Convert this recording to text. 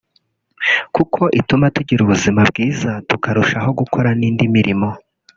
kuko ituma tugira ubuzima bwiza tukarushaho gukora n’indi mirimo